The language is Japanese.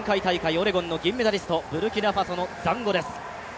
オレゴンの銀メダリスト、ブルキナファソのザンゴです。